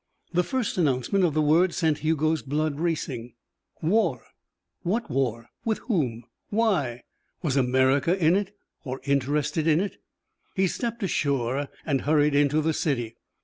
The first announcement of the word sent Hugo's blood racing. War! What war? With whom? Why? Was America in it, or interested in it? He stepped ashore and hurried into the city.